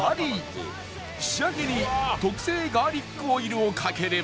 仕上げに特製ガーリックオイルをかければ